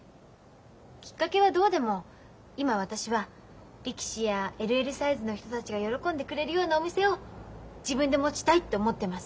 きっかけはどうでも今私は力士やＬＬサイズの人たちが喜んでくれるようなお店を自分で持ちたいって思ってます。